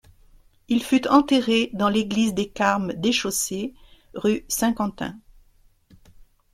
Il fut enterré dans l'église des Carmes Déchaussés, rue Saint-Quentin.